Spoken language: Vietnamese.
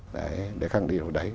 đấy để khẳng định điều đấy